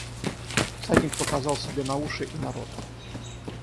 Всадник показал себе на уши и на рот.